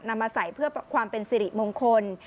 นำมาใส่เพื่อความเป็นสิริมงคล